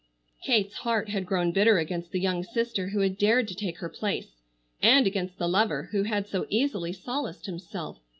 Kate's heart had grown bitter against the young sister who had dared to take her place, and against the lover who had so easily solaced himself.